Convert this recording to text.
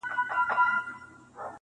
سمت او رنګ ژبه نژاد یې ازلي راکړي نه دي,